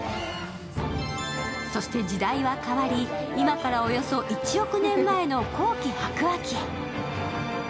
そして時代は変わり、今からおよそ１億年前の後期白亜紀へ。